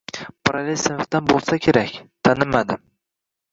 Parallel sinfdan boʻlsa kerak, tanimadim.